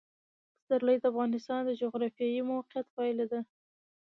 پسرلی د افغانستان د جغرافیایي موقیعت پایله ده.